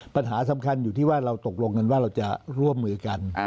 ปัญหาสำคัญอยู่ที่ว่าเราตกลงกันว่าเราจะร่วมมือกัน